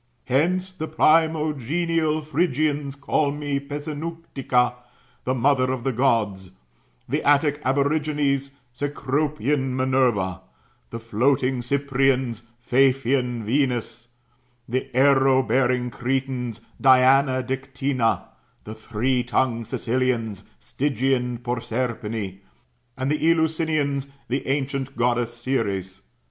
Hence the primogenial Phyrgians call me Pessinuntica, the mother of the Gods; the Attic Aborigines, Cecropian Minerva; the floating Cyprians, Paphian Venus; the arrow bearing Cretans, Diana Diqtynna;' the three tongued Sicilians,^ Stygian Proserpine ; and the El^usinians, the ancient Goddess Ceres.